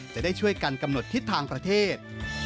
จะได้ช่วยกันกำหนดทิศทางประเทศ